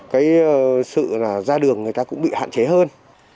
cái sự là ra đường người ta cũng bị hạn chế hơn